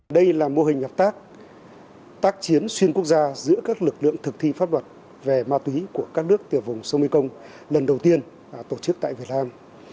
đây là mô hình hợp tác chiến xuyên quốc gia giữa các lực lượng thực thi pháp luật về ma túy của các nước tiểu vùng sông mekong lần đầu tiên tổ chức tại việt nam